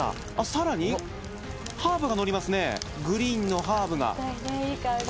さらにハーブが載りますねグリーンのハーブがいい香り